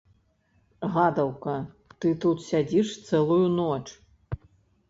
Гадаўка, ты тут сядзіш цэлую ноч.